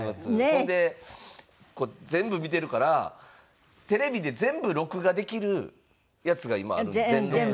ほんで全部見てるからテレビで全部録画できるやつが今あるんですよ。